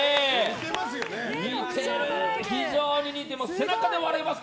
非常に似てます。